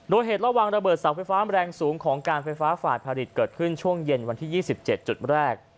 โดยเหตุระวังระเบิดเสาไฟฟ้าแรงสูงของการไฟฟ้าฝ่ายผลิตเกิดขึ้นช่วงเย็นวันที่๒๗จุดแรก